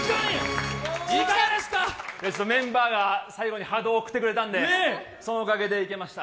メンバーが最後に波動送ってくれたんでそのおかげでいけました。